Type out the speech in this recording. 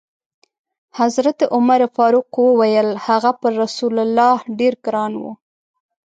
حضرت عمر فاروق وویل: هغه پر رسول الله ډېر ګران و.